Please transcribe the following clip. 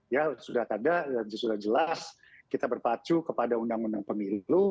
ya sudah ada dan sudah jelas kita berpacu kepada undang undang pemilu